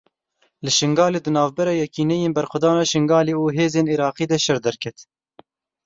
Li Şingalê di navbera Yekîneyên Berxwedana Şingalê û hêzên Iraqî de şer derket.